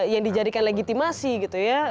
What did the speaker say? yang dijadikan legitimasi gitu ya